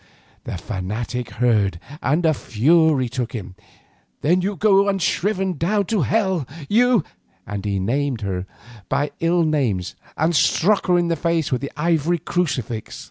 The fanatic heard and a fury took him. "Then go unshriven down to hell, you—" and he named her by ill names and struck her in the face with the ivory crucifix.